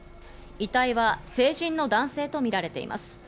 遺体は成人の男性とみられています。